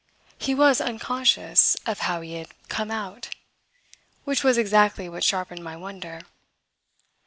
He was unconscious of how he had "come out" which was exactly what sharpened my wonder.